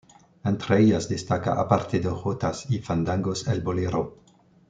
Entre ellas destaca, aparte de jotas y fandangos, el bolero.